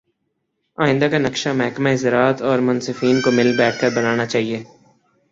آئندہ کا نقشہ محکمہ زراعت اورمنصفین کو مل بیٹھ کر بنانا چاہیے